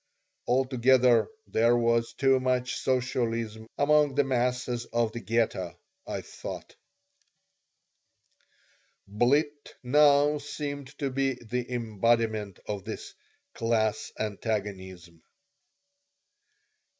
Altogether there was too much socialism among the masses of the Ghetto, I thought Blitt now seemed to be the embodiment of this "class antagonism."